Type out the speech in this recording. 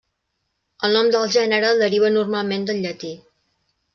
El nom del gènere deriva normalment del llatí.